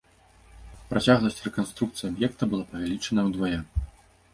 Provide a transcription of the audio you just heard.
Працягласць рэканструкцыі аб'екта была павялічаная ўдвая.